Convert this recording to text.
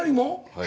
はい。